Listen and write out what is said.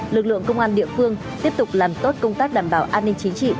lực lượng công an địa phương tiếp tục làm tốt công tác đảm bảo an ninh chính trị